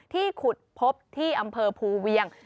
ขุดพบที่อำเภอภูเวียง